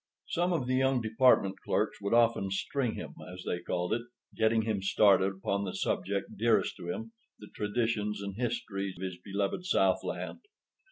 Some of the young department clerks would often "string him," as they called it, getting him started upon the subject dearest to him—the traditions and history of his beloved Southland.